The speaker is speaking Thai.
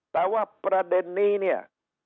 แต่ว่าประเด็นนี้เนี่ย